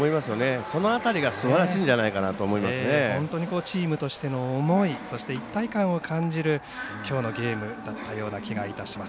その辺りがすばらしいんじゃないかなとチームとしての思いそして、一体感を感じるきょうのゲームだったような気がいたします。